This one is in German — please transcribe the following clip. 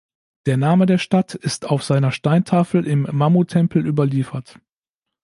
Der Name der Stadt ist auf seiner Steintafel im Mamu-Tempel überliefert.